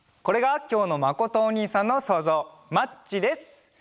これがきょうのまことおにいさんのそうぞう「マッチ」です！